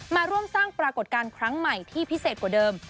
มาร่วมสร้างปรากฏการณ์ครั้งใหม่ที่พิเศษกว่าเดิม